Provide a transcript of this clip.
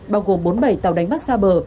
bao gồm bốn mươi bảy tàu đánh bắt xa bờ